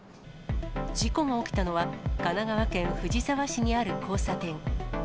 事故が起きたのは、神奈川県藤沢市にある交差点。